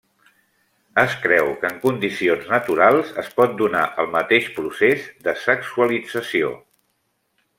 Es creu que en condicions naturals es pot donar el mateix procés de sexualització.